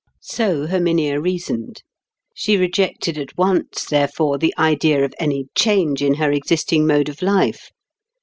So Herminia reasoned. She rejected at once, therefore, the idea of any change in her existing mode of life.